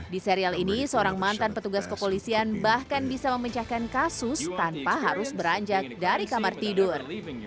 di serial ini seorang mantan petugas kepolisian bahkan bisa memecahkan kasus tanpa harus beranjak dari kamar tidur